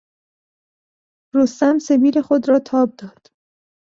رستم سبیل خود را تاب داد.